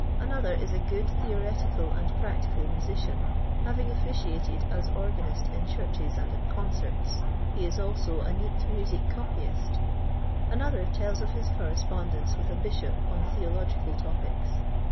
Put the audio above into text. Another is a good theoretical and prac tical musician, having officiated as organist in churches and at concerts ; he is also a neat music copyist Another tells of his correspondence with a bishop on theological topics.